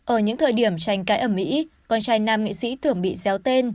ở những thời điểm tranh cãi ẩm mỹ con trai nam nghệ sĩ tưởng bị déo tên